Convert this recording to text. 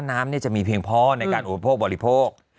น้ำจะมีเพียงพอในการอุปโภคบริโภค